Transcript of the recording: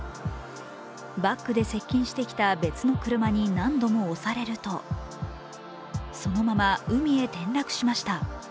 バックで接近したきた別の車に何度も押されるとそのまま海へ転落しました。